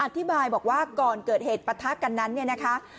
อธิบายบอกว่าก่อนเกิดเหตุปะทะกันนั้นเนี่ยนะคะ